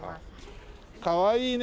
かわいいね。